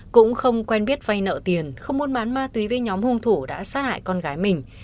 cũng không quen biết vay nợ tiền không muốn bán ma túy với nhóm hung thủ đã sát hại con gái mình